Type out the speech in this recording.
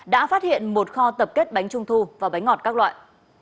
đã phát hiện một kho tập kết bánh trung thu và bánh ngọt các loại